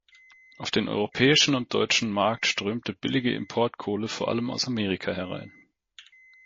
Auf den europäischen und deutschen Markt strömte billige Importkohle vor allem aus Amerika herein.